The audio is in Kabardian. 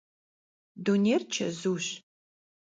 Dunêyr çezuş.